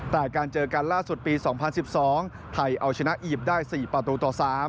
แต่การเจอกันล่าสุดปี๒๐๑๒ไทยเอาชนะอียิปต์ได้๔ประตูต่อ๓